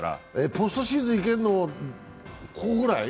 ポストシーズン行けるのここぐらい？